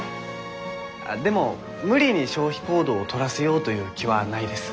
でも無理に消費行動を取らせようという気はないです。